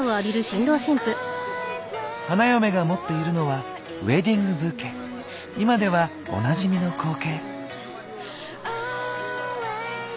花嫁が持っているのは今ではおなじみの光景。